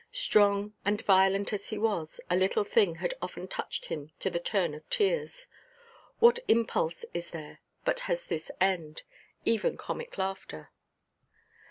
Strong and violent as he was, a little thing had often touched him to the turn of tears. What impulse is there but has this end? Even comic laughter.